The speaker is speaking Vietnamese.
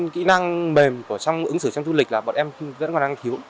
kỹ năng mềm của ứng xử trong du lịch là bọn em vẫn còn đang thiếu